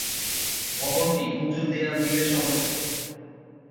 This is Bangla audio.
ভবনটি উঁচু দেয়াল দিলে সংরক্ষিত।